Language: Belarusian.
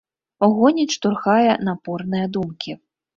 Гоніць, штурхае напорныя думкі.